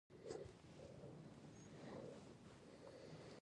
سړی او اس دواړه مشهور شول.